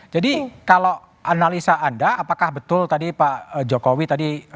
jadi kalau analisa anda apakah betul tadi pak jokowi tadi